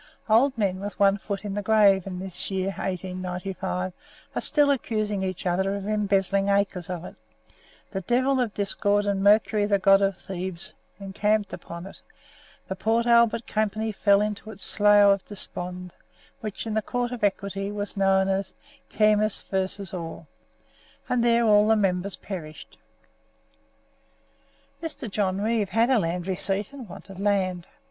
Old men with one foot in the grave, in this year 1895, are still accusing each other of embezzling acres of it; the devil of Discord, and Mercury the god of thieves, encamped upon it; the Port Albert Company fell into its Slough of Despond, which in the Court of Equity was known as "Kemmis v. Orr," and there all the members perished. Mr. John Reeve had a land receipt, and wanted land.